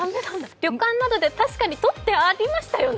旅館などで、確かに取ってありましたよね。